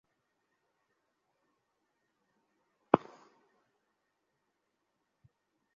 তাদের বাড়ি খুঁজে পাওয়া তেমন একটা কঠিন ছিল না।